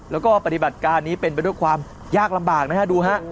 แล้วก็ปฏิบัติการนี้เป็นไปด้วยความยากลำบากนะฮะดูฮะ